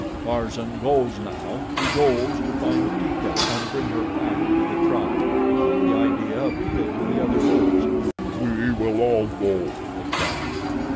Tarzan goes now he goes to find Teeka and bring her back to the tribe." The idea appealed to the other bulls. "We will all go," they cried.